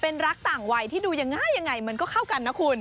เป็นรักต่างวัยที่ดูยังไงยังไงมันก็เข้ากันนะคุณ